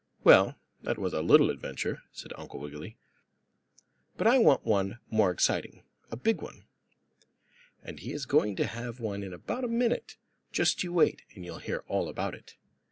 "Well, that was a little adventure." said Uncle Wiggily. "But I want one more exciting; a big one." And he is going to have one in about a minute. Just you wait and you'll hear all about it.